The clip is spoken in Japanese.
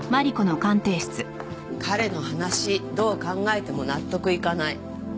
彼の話どう考えても納得いかない。